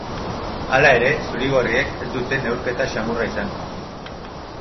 Hala ere, zuri-gorriek ez dute neurketa samurra izango.